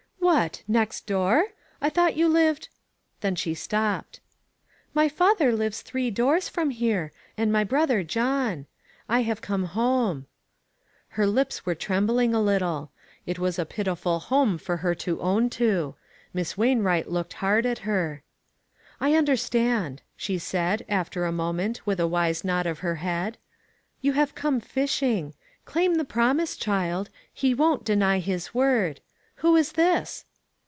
"What! Next door? I thought you lived " Then she stopped. " My father lives three doors from here, and my brother John. I have come home." Her lips were trembling a little. It was a pitiful home for her to own to. Miss Wainwright looked hard at her. " I understand," she said, after a moment, with a wise nod of her head, "you have come fishing. Claim the promise, child. He won't deny his word. Who is this?"